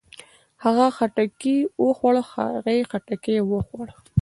هغۀ خټکی وخوړ. هغې خټکی وخوړ.